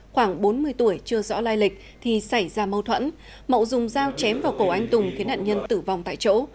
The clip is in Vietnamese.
khoảng bốn mươi tuổi chưa rõ lai lịch thì xảy ra mâu thuẫn mậu dùng dao chém vào cổ anh tùng khiến nạn nhân tử vong tại chỗ